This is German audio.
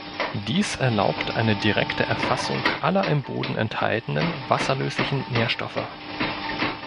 Dies erlaubt eine direkte Erfassung aller im Boden enthaltenen, wasserlöslichen Nährstoffe.